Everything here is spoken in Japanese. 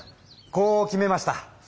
こう決めました。